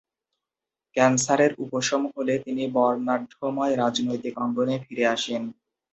ক্যান্সারের উপশম হলে তিনি বর্ণাঢ্যময় রাজনৈতিক অঙ্গনে ফিরে আসেন।